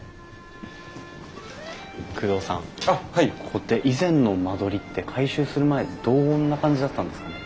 ここって以前の間取りって改修する前どんな感じだったんですかね？